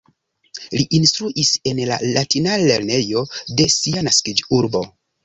Li instruis en la Latina Lernejo de sia naskiĝurbo.